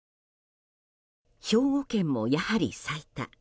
兵庫県もやはり最多。